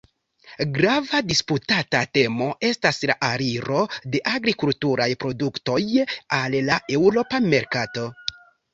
Grava disputata temo estas la aliro de agrikulturaj produktoj al la eŭropa merkato.